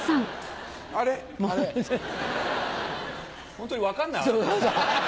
ホントに分かんない。